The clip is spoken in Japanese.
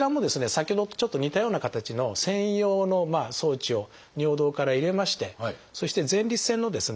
先ほどとちょっと似たような形の専用の装置を尿道から入れましてそして前立腺のですね